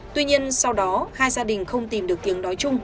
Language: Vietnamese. tuy nhiên sau đó hai gia đình không tìm được tiếng nói chung